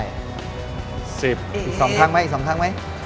อีก๒ทางไหมอีก๒ทางไหม